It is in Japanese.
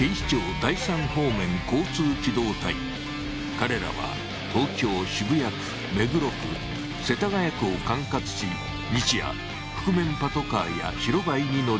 彼らは東京渋谷区目黒区世田谷区を管轄し日夜覆面パトカーや白バイに乗り